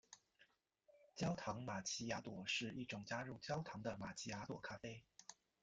焦糖玛琪雅朵是一种加入焦糖的玛琪雅朵咖啡。